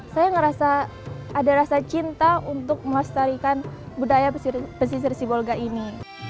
saya merasa ada rasa cinta untuk melestarikan budaya pesisir sibolga ini